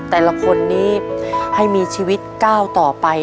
แต่ละคนนี้ให้มีชีวิตก้าวต่อไป